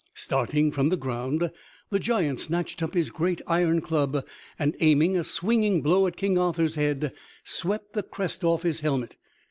Starting from the ground, the giant snatched up his great iron club, and aiming a swinging blow at King Arthur's head, swept the crest off his helmet.